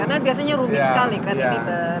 karena biasanya rumit sekali kan ini terhadap anak warga